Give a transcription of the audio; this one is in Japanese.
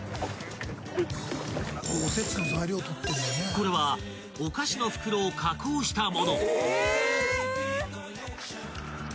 ［これはお菓子の袋を加工した物］